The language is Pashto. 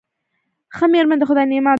ښه میرمن د خدای نعمت دی.